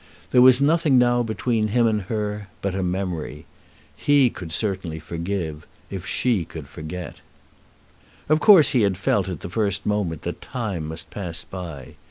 There was nothing now between him and her, but a memory. He could certainly forgive, if she could forget. Of course he had felt at the first moment that time must pass by.